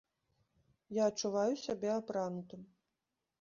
Я адчуваю сябе апранутым.